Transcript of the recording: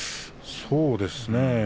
そうですね。